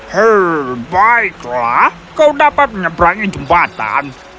hmm baiklah kau dapat menyeberangi jembatan